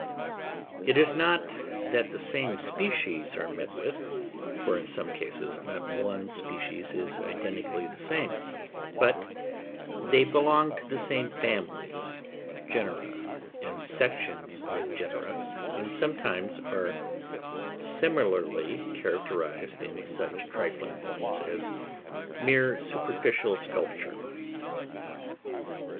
It is not that the same species are met with; for in some cases not one species is identically the same, but they belong to the same families, genera, and sections of genera, and sometimes are similarly characterised in such trifling points as mere superficial sculpture.